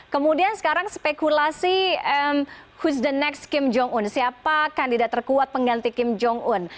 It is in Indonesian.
kemudian sekarang spekulasi hus the next kim jong un siapa kandidat terkuat pengganti kim jong un